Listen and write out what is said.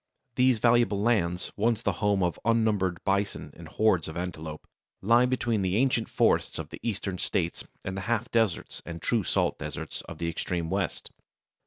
These valuable lands, once the home of unnumbered bison and hordes of antelopes, lie between the ancient forests of the eastern states and the half deserts and true salt deserts of the extreme west.